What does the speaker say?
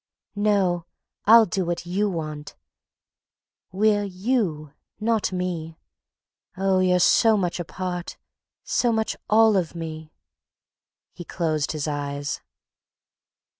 "No, I'll do what you want. We're you—not me. Oh, you're so much a part, so much all of me..." He closed his eyes.